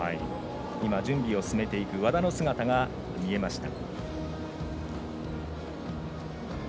準備を進めていく和田の姿が見えました。